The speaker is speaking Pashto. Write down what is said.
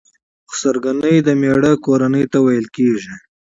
خسرګنۍ د مېړه کورنۍ ته ويل کيږي.